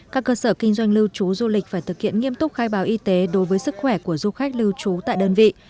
các cơ sở kinh doanh lưu trú du lịch phải thực hiện nghiêm túc khai báo y tế đối với sức khỏe của du khách lưu trú tại đơn vị